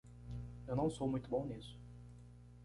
Eu não sou muito bom nisso.